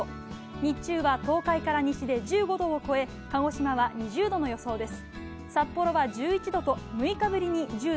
日中は東海から西で１５度を超え鹿児島は２０度の予想です。